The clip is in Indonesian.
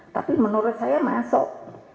tapi menurut saya masuk